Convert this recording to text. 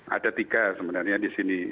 ada tiga sebenarnya di sini